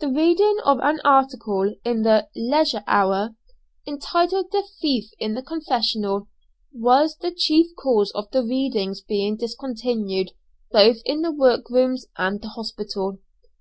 The reading of an article in the "Leisure Hour," entitled the "Thief in the Confessional," was the chief cause of the readings being discontinued both in the work rooms and the hospital.